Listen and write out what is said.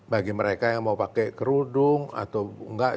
bagi mereka yang mau pakai kerudung atau enggak